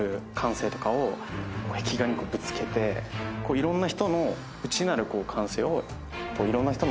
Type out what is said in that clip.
いろんな人の。